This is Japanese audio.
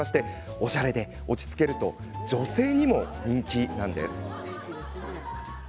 おしゃれで落ち着けると女性にも人気なんです。